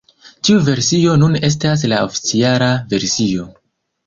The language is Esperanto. Tiu versio nune estas la oficiala versio.